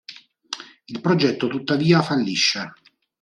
Il progetto tuttavia fallisce.